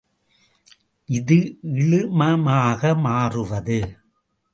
இது இழுமமாக மாறுவது.